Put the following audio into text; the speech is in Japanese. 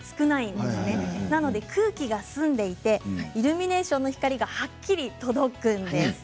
ですので空気が澄んでいてイルミネーションの光がはっきりと届きます。